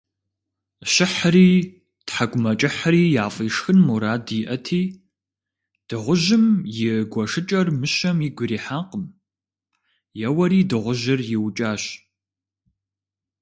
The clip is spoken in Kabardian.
Щыхьри, тхьэкӏумэкӏыхьри яфӏишхын мурад иӏэти, дыгъужьым и гуэшыкӏэр мыщэм игу ирихьакъым: еуэри дыгъужьыр иукӏащ.